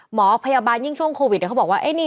หมอพยาบาลยิ่งช่วงโควิดเขาบอกว่า